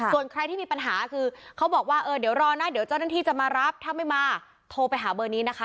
ส่วนใครที่มีปัญหาคือเขาบอกว่าเออเดี๋ยวรอนะเดี๋ยวเจ้าหน้าที่จะมารับถ้าไม่มาโทรไปหาเบอร์นี้นะคะ